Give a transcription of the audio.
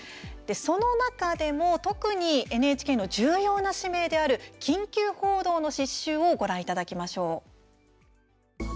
その中でも特にＮＨＫの重要な使命である緊急報道の実習をご覧いただきましょう。